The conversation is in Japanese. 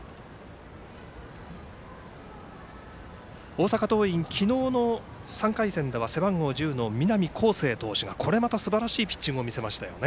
大阪桐蔭、昨日の３回戦では背番号１０の南恒誠投手がこれまたすばらしいピッチングを見せましたよね。